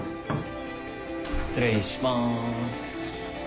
失礼します。